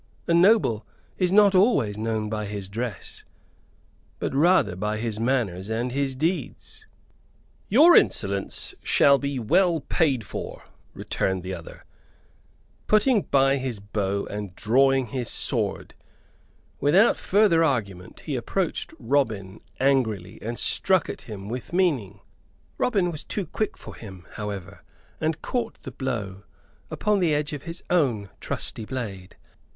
"A noble is not always known by his dress, but rather by his manners and his deeds." "Your insolence shall be well paid for," returned the other, putting by his bow and drawing his sword. Without further argument he approached Robin angrily, and struck at him with meaning. Robin was too quick for him, however, and caught the blow upon the edge of his own trusty blade.